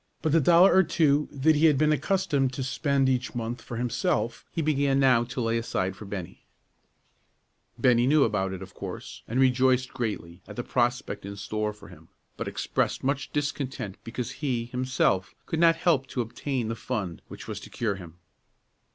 But the dollar or two that he had been accustomed to spend each month for himself he began now to lay aside for Bennie. Bennie knew about it, of course, and rejoiced greatly at the prospect in store for him, but expressed much discontent because he, himself, could not help to obtain the fund which was to cure him.